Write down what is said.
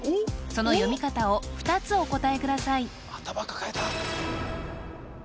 その読み方を２つお答えください